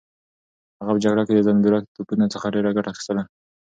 هغه په جګړه کې د زنبورک توپونو څخه ډېره ګټه اخیستله.